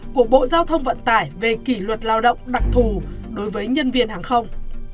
của bộ giao thông vận tải về kỷ luật lao động đặc thù đối với nhân viên hàng không